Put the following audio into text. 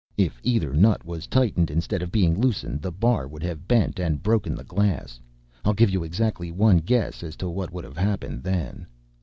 If either nut was tightened instead of being loosened, the bar would have bent and broken the glass. I'll give you exactly one guess as to what would have happened then."